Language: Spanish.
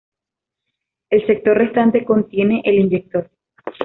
El sector restante contiene el inyector.